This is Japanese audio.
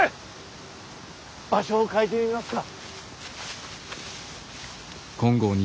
場所を変えてみますか。